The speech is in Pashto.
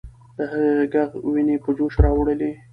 د هغې ږغ ويني په جوش راوړلې.